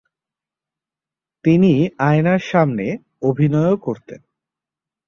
তিনি আয়নার সামনে অভিনয়ও করতেন।